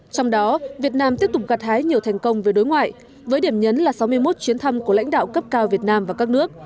trong đó việt nam tiếp tục gạt hái nhiều thành công về đối ngoại với điểm nhấn là sáu mươi một chuyến thăm của lãnh đạo cấp cao việt nam và các nước